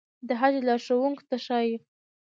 د حج لارښوونکو ته ښايي.